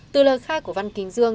từ lời khai của văn kính dương